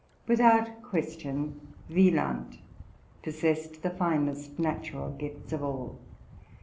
Without question, Wieland possessed the finest natural gifts of all.